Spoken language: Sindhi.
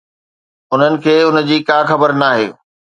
انهن کي ان جي ڪا خبر ناهي؟